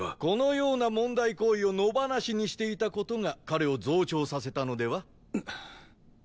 このような問題行為を野放しにしていた事が彼を増長させたのでは？